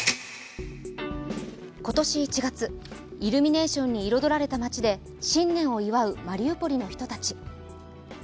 今年１月、イルミネーションに彩られた街で新年を祝うマリウポリの人たち。